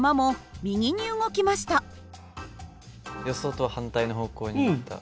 予想とは反対の方向に行った。